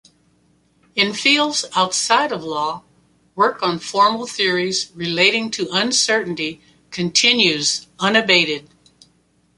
In fields outside of law, work on formal theories relating to uncertainty continues unabated.